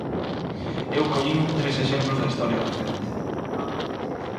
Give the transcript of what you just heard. Eu collín tres exemplos da historia recente.